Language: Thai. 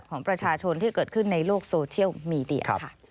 ของประชาชนที่เกิดขึ้นในโลกโซเชียลมีเดียค่ะ